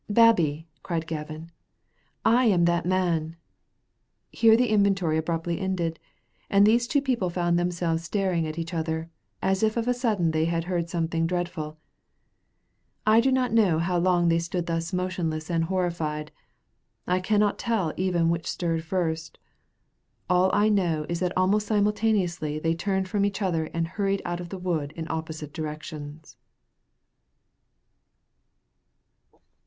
Babbie," cried Gavin, "I am that man!" Here the inventory abruptly ended, and these two people found themselves staring at each other, as if of a sudden they had heard something dreadful. I do not know how long they stood thus motionless and horrified. I cannot tell even which stirred first. All I know is that almost simultaneously they turned from each other and hurried out of the wood in opposite directions.